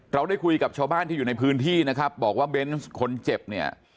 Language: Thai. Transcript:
เราได้คุยกับชาวบ้านที่อยู่ในพื้นที่นะครับบอกว่าเบนส์คนเจ็บเนี่ย